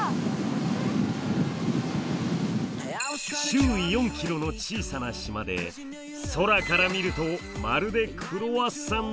周囲４ｋｍの小さな島で空から見るとまるでクロワッサンのように見える。